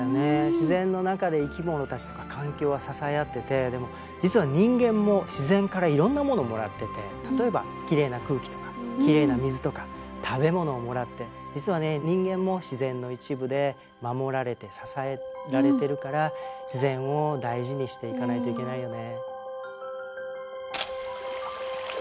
自然の中で生き物たちとか環境が支え合ってて実は人間も自然からいろんなものをもらってて例えばきれいな空気とかきれいな水とか食べ物をもらって実はね人間も自然の一部で守られて支えられてるから自然を大事にしていかないといけないよね。